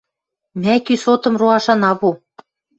— Мӓ кӱсотым роаш ана пу!